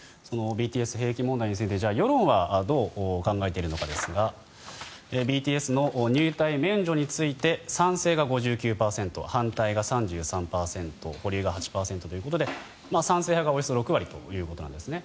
ＢＴＳ兵役問題について世論はどう考えているのかですがＢＴＳの入隊免除について賛成が５９％反対が３３％保留が８％ということで賛成派がおよそ６割ということなんですね。